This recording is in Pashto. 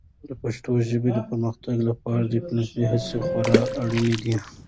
د پښتو ژبې د پرمختګ لپاره ډیجیټلي هڅې خورا اړینې دي.